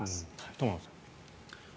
玉川さん。